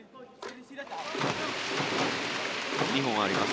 ２本あります